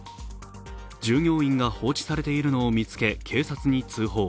従業員が放置されているのを見つけ、警察に通報。